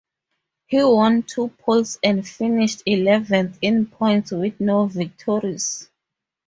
He won two poles and finished eleventh in points with no victories.